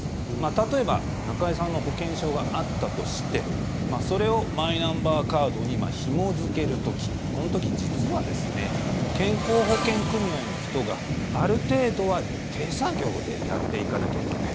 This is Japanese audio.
例えば中居さんの保険証があったとしてそれをマイナンバーカードにひも付ける時この時、実は健康保険組合の人がある程度は手作業でやっていかなきゃいけない。